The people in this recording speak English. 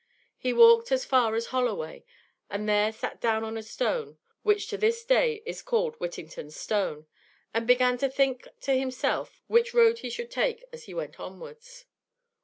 He walked as far as Holloway; and there sat down on a stone, which to this day is called Whittington's stone, and began to think to himself which road he should take as he went onwards.